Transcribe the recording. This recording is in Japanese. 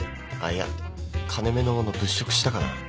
あっいや金目の物物色したかな。